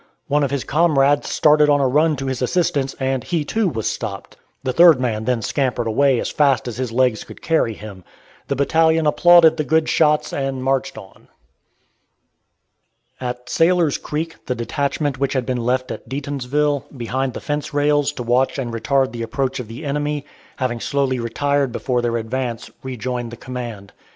One of his comrades started on a run to his assistance, and he, too, was stopped. The third man then scampered away as fast as his legs could carry him. The battalion applauded the good shots and marched on. At Sailor's Creek the detachment which had been left at Deatonsville, behind the fence rails, to watch and retard the approach of the enemy, having slowly retired before their advance, rejoined the command.